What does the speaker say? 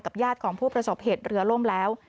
ญาติของผู้ประสบเหตุเรือล่มแล้ว